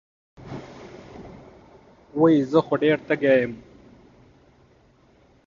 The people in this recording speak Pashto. وې زۀ خو ډېر تږے يم